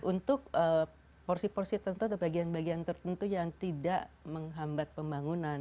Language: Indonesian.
untuk porsi porsi tentu ada bagian bagian tertentu yang tidak menghambat pembangunan